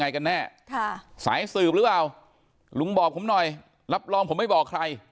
กันแน่ค่ะสายสืบหรือเปล่าลุงบอกผมหน่อยรับรองผมไม่บอกใคร